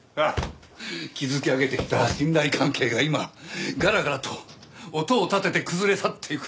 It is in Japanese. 築き上げてきた信頼関係が今ガラガラと音を立てて崩れ去っていく。